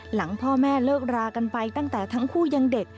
หลังพ่อแม่เลิกรากันไปตั้งแต่ทั้งคู่ยังเด็ก